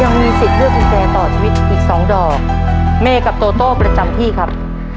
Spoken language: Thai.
ยังมีสิทธิ์เลือกกุญแจต่อชีวิตอีกสองดอกเมกับโตโต้ประจำที่ครับ